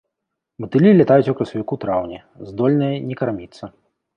Матылі лятаюць у красавіку-траўні, здольныя не карміцца.